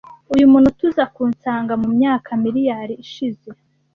Uyu munota uza kunsanga mumyaka miriyari ishize,